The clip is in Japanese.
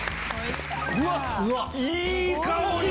うわっいい香り！